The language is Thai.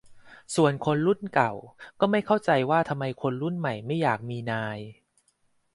ส่วนคนรุ่นเก่า ก็ไม่เข้าใจว่าทำไมคนรุ่นใหม่ไม่อยากมีนาย